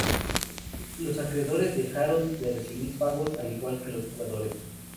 Los acreedores dejaron de recibir pagos, al igual que los jugadores.